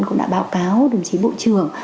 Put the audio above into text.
cũng đã báo cáo đồng chí bộ trưởng